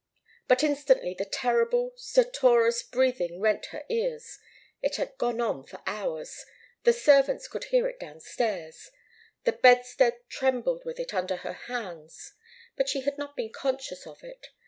But instantly the terrible, stertorous breathing rent her ears. It had gone on for hours. The servants could hear it downstairs. The bedstead trembled with it under her hands. But she had not been conscious of it.